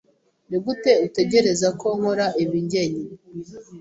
Nigute utegereza ko nkora ibi njyenyine?